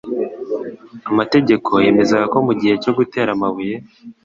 Amategeko yemezaga ko mu gihe cyo gutera amabuye,